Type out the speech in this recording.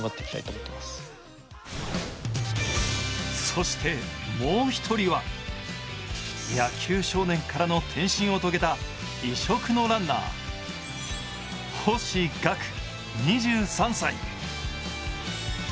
そして、もう一人は野球少年からの転身を遂げた異色のランナー・星岳、２３歳。